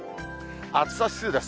暑さ指数です。